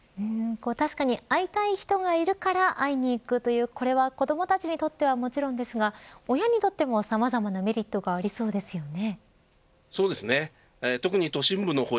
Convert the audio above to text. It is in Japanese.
確かに会いたい人がいるから会いに行くいう、これは子どもたちにとってはもちろんですが、親にとってもそうですね。